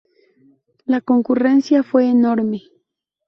La concurrencia fue enorme.